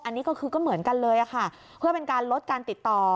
อันนี้ก็คือก็เหมือนกันเลยค่ะเพื่อเป็นการลดการติดต่อ